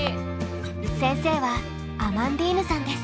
先生はアマンディーヌさんです。